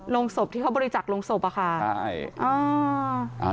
ลงศพที่เขาบริจักษ์ลงศพอะค่ะใช่